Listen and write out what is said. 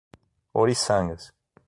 Ouriçangas